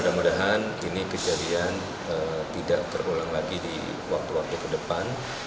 semoga kejadian ini tidak terulang lagi di waktu waktu ke depan